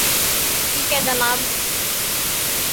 ٹھیک ہے جناب